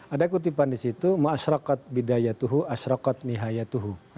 ada kutipan disitu